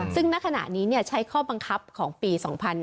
ซึ่งณขณะนี้ใช้ข้อบังคับของปี๒๕๕๙